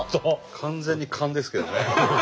完全に勘ですけどね。